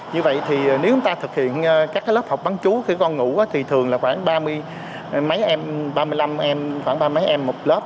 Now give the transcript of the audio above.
như vậy thì nếu chúng ta thực hiện các lớp học bán chú khi con ngủ thì thường là khoảng ba mươi mấy em ba mươi năm em khoảng ba mấy em một lớp